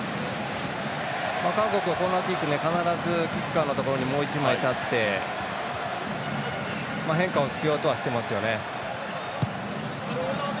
韓国はコーナーキック必ずキッカーのところにもう１枚立って変化をつけようとはしていますよね。